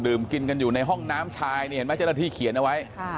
กินกันอยู่ในห้องน้ำชายนี่เห็นไหมเจ้าหน้าที่เขียนเอาไว้